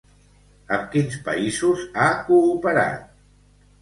Amb quins països ha cooperat?